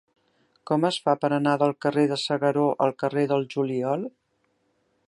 Com es fa per anar del carrer de S'Agaró al carrer del Juliol?